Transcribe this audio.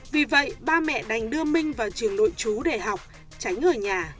vì vậy ba mẹ đành đưa minh vào trường nội chú để học tránh ở nhà